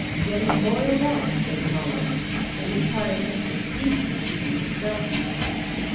"Getting boiled out," they called it. It was part of Hester's scheme for keeping her sveltness.